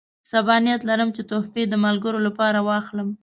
سبا نیت لرم چې تحفې د ملګرو لپاره واخلم.